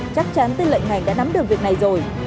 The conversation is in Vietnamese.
chắc chắn tư lệnh ngành đã nắm được việc này rồi